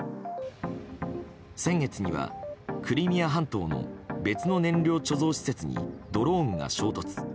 先月には、クリミア半島の別の燃料貯蔵施設にドローンが衝突。